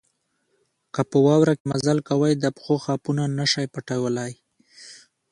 که په واوره کې مزل کوئ د پښو خاپونه نه شئ پټولای.